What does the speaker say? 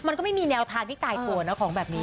มันก็ไม่มีแนวทางที่ตายตัวนะของแบบนี้